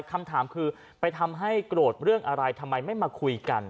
คำถามคือไปทำให้โกรธเรื่องอะไรทำไมไม่มาคุยกัน